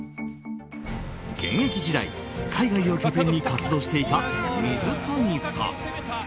現役時代、海外を拠点に活動していた水谷さん。